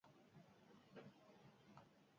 Larrabetzuko saioa hirugarren finalaurrekoa izan zen.